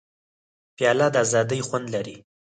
پیاله د ازادۍ خوند لري.